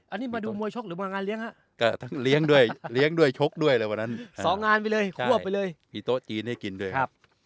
อันนี้มาดูมวยชกหรือมางานเลี้ยงฮะก็ทั้งเลี้ยงด้วยเลี้ยงด้วยชกด้วยเลยวันนั้นสองงานไปเลยควบไปเลยมีโต๊ะจีนให้กินด้วยครับ